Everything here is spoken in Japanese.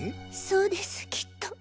そうですきっと。